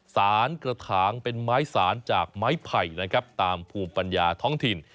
สารกระถางเป็นไม้สารจากไม้ไผ่นะครับตามภูมิปัญญาท้องถิ่น